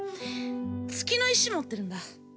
月の石持ってるんだ